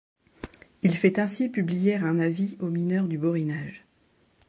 Il fait ainsi publier un avis aux mineurs du Borinage.